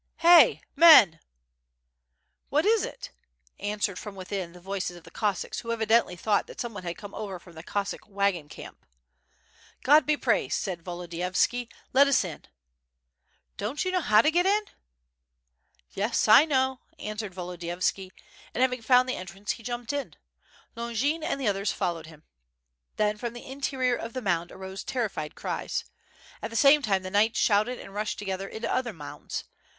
"Hey! Men!" "What is it?" answered from within the voices of the Cos sacks who evidently thought that some one had come over from the Cossack wagon camp. "God be praised," said Volodiyovski, '^et us in." "Don't you know how to get in ?" "Yes, I know^," answered Volodiyovski, and having found the entrance he jumped in. Longin and others followed him. Then from the interior of the mound arose terrified cries. At the same time the knights shouted and rushed together into other mounds.